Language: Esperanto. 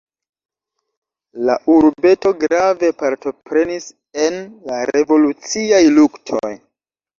La urbeto grave partoprenis en la revoluciaj luktoj.